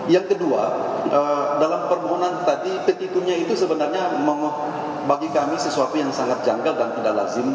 yang kedua dalam permohonan tadi petitunya itu sebenarnya bagi kami sesuatu yang sangat janggal dan tidak lazim